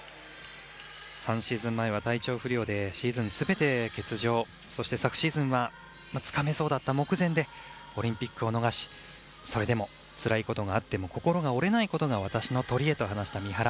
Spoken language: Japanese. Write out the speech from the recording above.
３シーズン前は体調不良でシーズン全て欠場そして、昨シーズンはつかめそうだった目前でオリンピックを逃しそれでも、つらいことがあっても心が折れないことが私のとりえと話した三原。